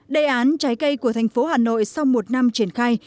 đề án trái cây của thành phố hà nội sau một năm triển khai